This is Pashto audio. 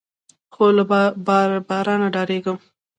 خو له بارانه ډارېدم.